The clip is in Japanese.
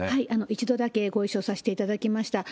一度だけご一緒させていただきました。